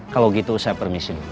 kalau gitu saya permisi dulu